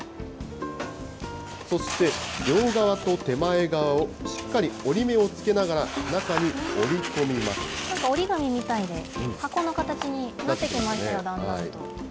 そして両側と手前側をしっかり折り目をつけながら、なんか折り紙みたいで、箱の形になってきましたよ、だんだんと。